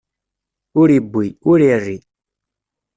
Ur iwwi, ur irri.